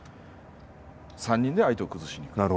３人で相手を崩しに行く。